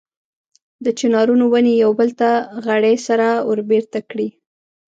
د چنارونو ونې یو بل ته غړۍ سره وربېرته کړي.